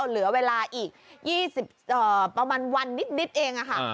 เหลือเวลาอีกยี่สิบเอ่อประมาณวันนิดนิดเองอ่ะค่ะ